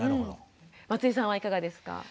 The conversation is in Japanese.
松井さんはいかがですか？